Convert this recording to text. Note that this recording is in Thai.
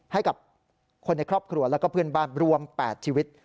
ให้กับคนในครอบครัวแล้วก็เพื่อนบ้านรวม๘ชีวิต